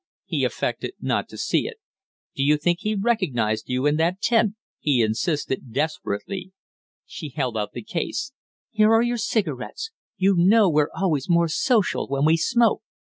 He affected not to see it. "Do you think he recognized you in that tent?" he insisted, desperately. She held out the case. "Here are your cigarettes. You know we're always more social when we smoke."